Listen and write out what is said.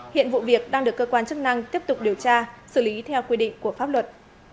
hiện vụ việc đang được cơ quan chức năng tiếp tục điều tra xử lý theo quy định của pháp luật